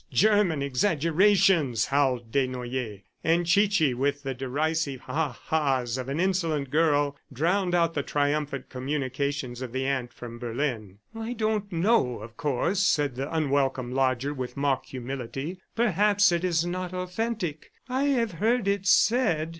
German exaggerations!" howled Desnoyers. And Chichi with the derisive ha ha's of an insolent girl, drowned out the triumphant communications of the aunt from Berlin. "I don't know, of course," said the unwelcome lodger with mock humility. "Perhaps it is not authentic. I have heard it said."